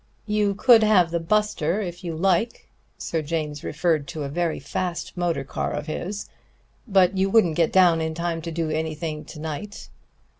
You could have the Buster, if you like" Sir James referred to a very fast motor car of his "but you wouldn't get down in time to do anything to night."